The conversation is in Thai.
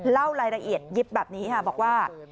เล่ารายละเอียดยิบแบบนี้ค่ะบอกว่า